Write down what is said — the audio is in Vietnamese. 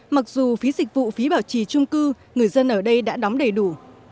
mặc dù phí dịch vụ phí bảo trì trung cư người dân ở đây đã đóng đầy đủ